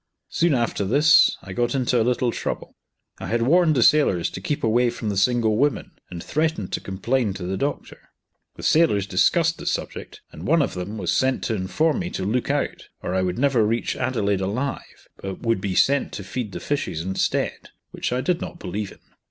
Soon after this I got into a little trouble. I had warned the sailors to keep away from the single women, and threatened to complain to the doctor. The sailors discussed the subject, and one of them was sent to inform me to look out, or I would never reach Adelaide alive, but would be sent to feed the fishes instead, which I did not believe in.